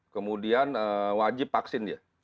kemudian wajib vaksin dia